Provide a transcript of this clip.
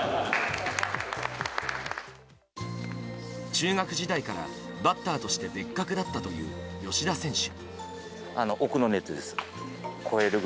中学時代からバッターとして別格だったという吉田選手。